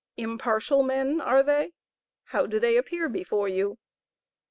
Impartial men, are they? How do they appear before you?